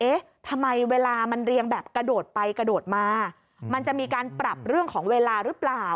เอ๊ะทำไมเวลามันเรียงแบบกระโดดไปกระโดดมามันจะมีการปรับเรื่องของเวลาหรือเปล่า